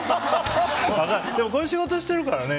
こういう仕事をしてるからね。